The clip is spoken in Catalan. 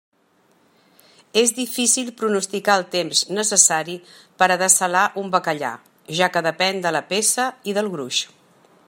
És difícil pronosticar el temps necessari per a dessalar un bacallà, ja que depèn de la peça i del gruix.